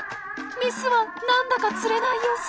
メスはなんだかつれない様子。